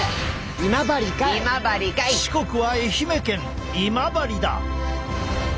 四国は愛媛県今治だ！